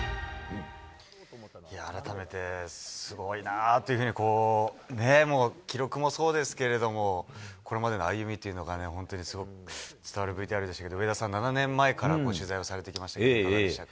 改めてすごいなあというふうに、記録もそうですけれども、これまでの歩みというのがね、本当にすごく伝わるＶＴＲですけれども、上田さん、７年前から取材されてきましたけれども、いかがでしたか。